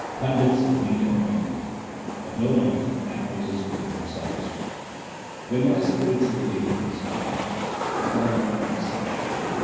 Pandits read and argue, But know not that which is within themselves. When my spiritual ignorance dieth, I die not myself.